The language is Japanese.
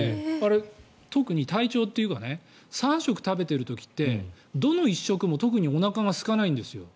特に体調というか３食を食べている時ってどの１食も特におなかがすかないんですよ。